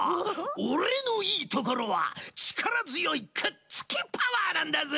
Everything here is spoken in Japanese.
オレのいいところはちからづよいくっつきパワーなんだぜ！